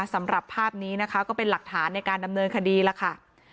สำหรับภาพนี้นะคะก็เป็นหลักฐานในการดำเนินคดีแล้วค่ะ